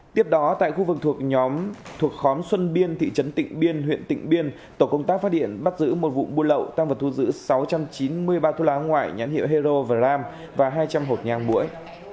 tiếp đó tại khu vực thuộc nhóm thuộc khóm xuân biên thị trấn tịnh biên huyện tịnh biên tổ công tác phát hiện bắt giữ một vụ buôn lậu tăng vật thu giữ sáu trăm chín mươi ba bao thu lá ngoại nhãn hiệu hero và ram và hai trăm linh hộp nhang muỗi